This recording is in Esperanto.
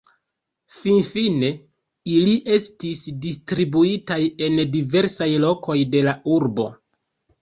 Finfine ili estis distribuitaj en diversaj lokoj de la urbo.